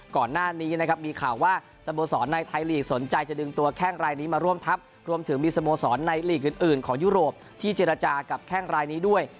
ก่อนหน้านี้นะครับมีข่าวว่าสโมสรในไทยลีกสนใจจะดึงตัวแข้งรายนี้มาร่วมทัพรวมถึงมีสโมสรในหลีกอื่นของยุโรปที่เจรจากับแข้งรายนี้ด้วย